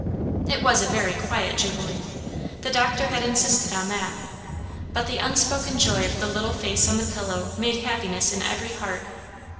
It was a very quiet jubilee. The doctor had insisted on that; but the unspoken joy of the little face on the pillow made happiness in every heart.